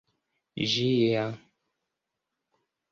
ĝia